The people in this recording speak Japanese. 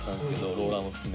ローラーも含め。